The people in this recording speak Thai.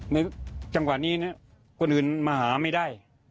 จังหวะนี้คนอื่นมาหาไม่ได้